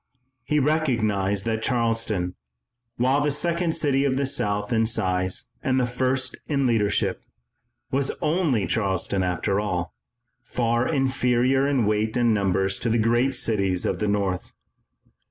He recognized that Charleston, while the second city of the South in size and the first in leadership, was only Charleston, after all, far inferior in weight and numbers to the great cities of the North.